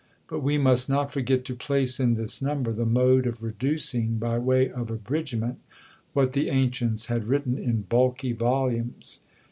But we must not forget to place in this number the mode of reducing, by way of abridgment, what the ancients had written in bulky volumes.